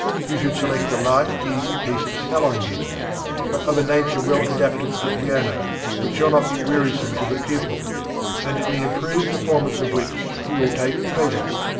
You should select a light, easy piece of salon music, but of a nature well adapted to the piano, which shall not be wearisome to the pupil, and in the improved performance of which he will take pleasure.